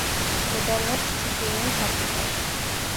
მდებარეობს ჩრდილოეთ აფრიკაში.